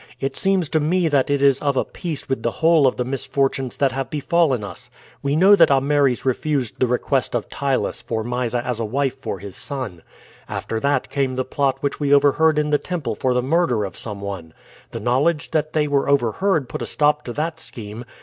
"It seems to me that it is of a piece with the whole of the misfortunes that have befallen us. We know that Ameres refused the request of Ptylus for Mysa as a wife for his son. After that came the plot which we overheard in the temple for the murder of some one. The knowledge that they were overheard put a stop to that scheme.